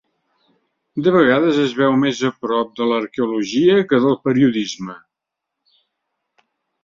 De vegades es veu més a prop de l'arqueologia que del periodisme.